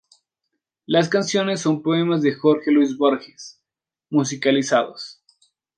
Las canciones son poemas de Jorge Luis Borges musicalizados.